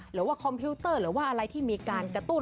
คอมพิวเตอร์หรือว่าอะไรที่มีการกระตุ้น